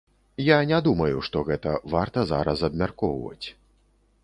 Я не думаю, што гэта варта зараз абмяркоўваць.